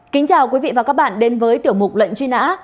kính chào quý vị và các bạn đến với tiểu mục lệnh truy nã